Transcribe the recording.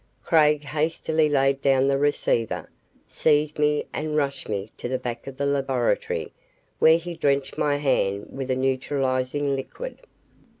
Craig hastily laid down the receiver, seized me and rushed me to the back of the laboratory where he drenched my hand with a neutralizing liquid.